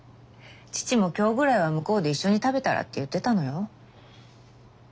義父も今日ぐらいは向こうで一緒に食べたらって言ってたのよ。